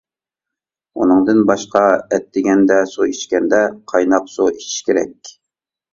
ئۇنىڭدىن باشقا، ئەتىگەندە سۇ ئىچكەندە قايناق سۇ ئىچىش كېرەك.